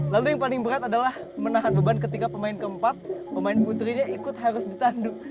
lalu yang paling berat adalah menahan beban ketika pemain keempat pemain putrinya ikut harus ditandu